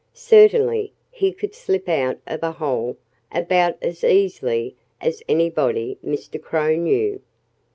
Certainly he could slip out of a hole about as easily as anybody Mr. Crow knew.